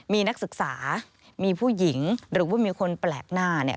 มีนักศึกษามีผู้หญิงหรือว่ามีคนแปลกหน้า